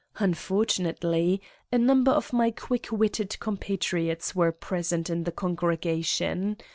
Unfortunately, a number of my quick witted compatriots were present in the congregation.